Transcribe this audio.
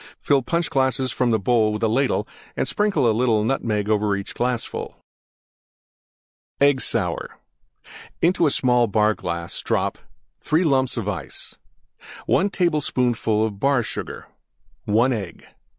Fill Punch glasses from the bowl with ladle and sprinkle a little Nutmeg over each glassful. EGG SOUR Into small Bar glass drop: 3 lumps Ice. 1 tablespoonful Bar Sugar. 1 Egg.